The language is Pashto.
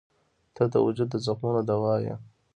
• ته د وجود د زخمونو دوا یې.